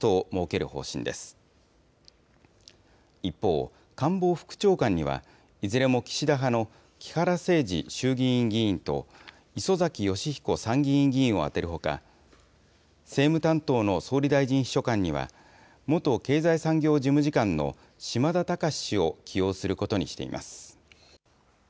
一方、官房副長官には、いずれも岸田派の木原誠二衆議院議員と、磯崎仁彦参議院議員を充てるほか、政務担当の総理大臣秘書官には、元経済産業事務次官の嶋田隆氏を起用することにしています。